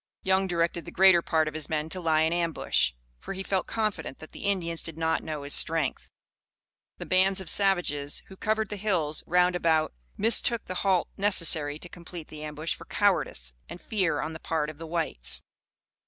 Young directed the greater part of his men to lie in ambush, for he felt confident that the Indians did not know his strength. The bands of savages who covered the hills round about mistook the halt necessary to complete the ambush for cowardice and fear on the part of the whites.